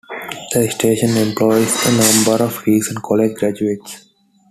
The station employs a number of recent college graduates.